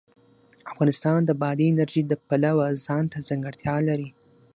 افغانستان د بادي انرژي د پلوه ځانته ځانګړتیا لري.